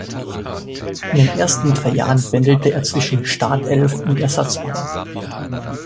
In den ersten drei Jahren pendelte er zwischen Startelf und Ersatzbank.